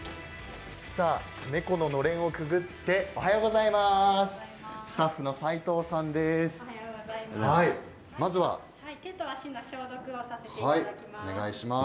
猫ののれんをくぐっておはようございます。